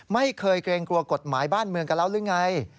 ไม่เคยเกรงกลัวกฎหมายบ้านเมืองกันแล้วหรือไง